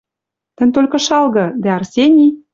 Тӹнь толькы шалгы»... Дӓ Арсений